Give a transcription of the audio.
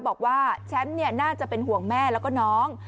บอกว่าแชมป์น่าจะเป็นห่วงแม่แล้วก็น้อง